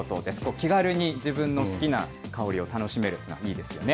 気軽に自分の好きな香りを楽しめるというのはいいですよね。